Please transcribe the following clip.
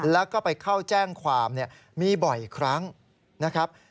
แล้วก็ไปเข้าแจ้งความมีบ่อยครั้งนะครับ